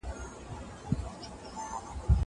څنګه ګڼ خلګ اوږد ډنډ ړنګوي؟